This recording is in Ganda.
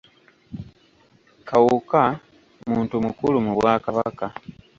Kawuka muntu mukulu mu Bwakabaka.